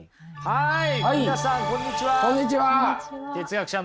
はい。